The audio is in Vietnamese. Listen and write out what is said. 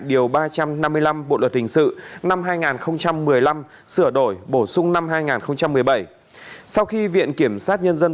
điều ba trăm năm mươi năm bộ luật hình sự năm hai nghìn một mươi năm sửa đổi bổ sung năm hai nghìn một mươi bảy sau khi viện kiểm sát nhân dân